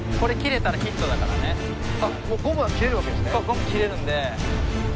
ゴム切れるんで。